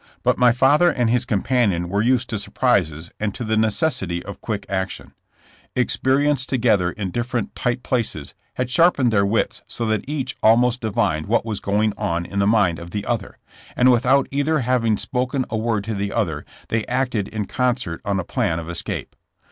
But my father and his companion were used to sur prises and to the necessity of quick action. Experi OUTLAWED AND HUNTKD. 81 ence together in different tight places/' had sharp ened their wits so that each almost divined what was going on in the mind of the other, and without either having spoken a word to the other they acted in con cert on a plan of escape.